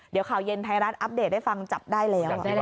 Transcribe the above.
เดี๋ยวข่าวเย็นไทยรัฐอัปเดตให้ฟังจับได้แล้ว